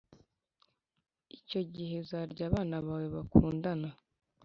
icyo gihe uzarya abana bawe, bakundana